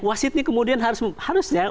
wasid ini kemudian harus